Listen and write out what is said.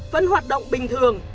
vẫn hoạt động bình thường